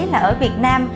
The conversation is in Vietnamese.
là ở việt nam